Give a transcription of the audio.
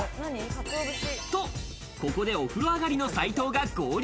とここでお風呂上がりの斉藤が合流。